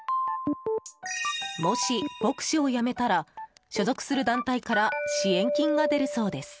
もし牧師を辞めたら所属する団体から支援金が出るそうです。